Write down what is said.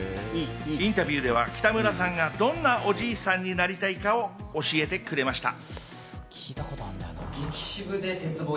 インタビューでは北村さんがどんなおじいさんになりたいかを教えてくれました。